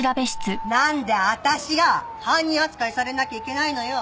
なんで私が犯人扱いされなきゃいけないのよ。